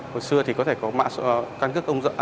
hồi xưa thì có thể có mạng cân cước công dựng